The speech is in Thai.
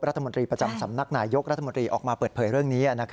รัฐมนตรีประจำสำนักนายยกรัฐมนตรีออกมาเปิดเผยเรื่องนี้